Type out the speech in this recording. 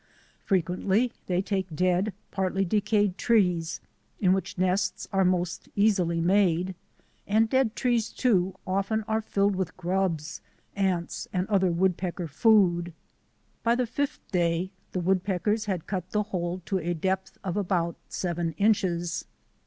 Frequently they take dead, partly decayed trees, in which nests are most easily made; and dead trees, too, often are filled with grubs, ants, and other woodpecker food. By the fifth day the woodpeckers had cut the hole to a depth of about seven inches.